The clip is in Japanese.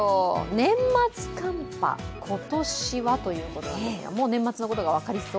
年末寒波、今年はということなんですがもう年末のことが分かりそう？